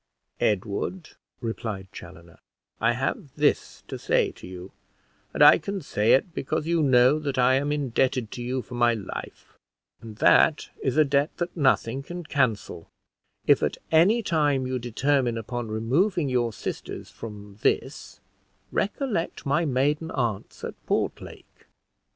"Edward," replied Chaloner, "I have this to say to you, and I can say it because you know that I am indebted to you for my life, and that is a debt that nothing can cancel: if at any time you determine upon removing your sisters from this, recollect my maiden aunts at Portlake.